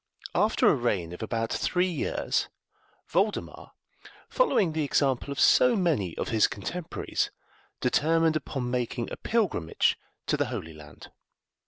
After a reign of about three years, Voldemar, following the example of so many of his contemporaries, determined upon making a pilgrimage to the Holy Land.